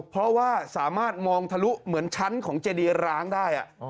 เพราะว่าสามารถมองทะลุเหมือนชั้นของเจดีร้างได้